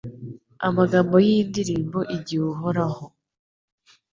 amagambo y’iyi ndirimbo igihe Uhoraho